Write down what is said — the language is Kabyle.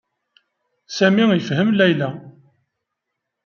Sami yefhem Layla.